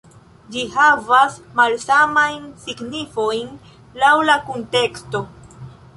Ĝi havas malsamajn signifojn laŭ la kunteksto.